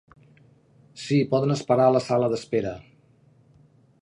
Sí, poden esperar a la sala d'espera.